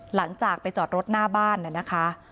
หลังจากไปจอดรถหน้าบ้านนะคะ